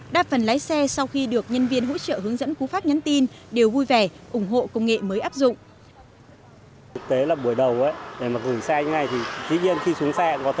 đa phần lái xe sau khi được nhân viên hỗ trợ hướng dẫn của pháp nhắn tin đều vui vẻ ủng hộ công nghệ mới áp dụng